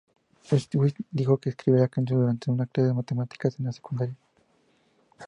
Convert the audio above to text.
Swift dijo que escribió la canción durante una clase de matemáticas en la secundaria.